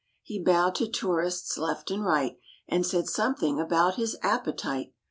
He bowed to tourists left and right And said something about his appetite.